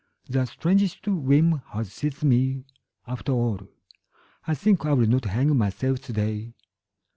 The strangest whim has seized me ... After all I think I will not hang myself today.